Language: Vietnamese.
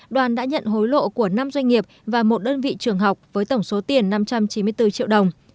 đoàn đã nhận hối lộ của năm doanh nghiệp và một đơn vị trường học với tổng số tiền năm trăm chín mươi bốn triệu đồng